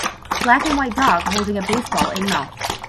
Black and white dog holding a baseball in mouth.